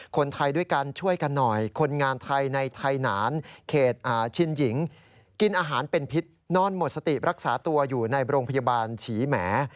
คนไทยด้วยกันช่วยกันหน่อยคนงานไทยในไทยหนานเขตชินหญิงกินอาหารเป็นพิษนอนหมดสติรักษาตัวอยู่ในโรงพยาบาลฉีแหม